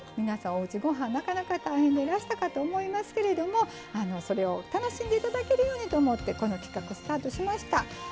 皆さんおうちごはんなかなか大変でいらしたかと思いますけれどもそれを楽しんで頂けるようにと思ってこの企画スタートしました。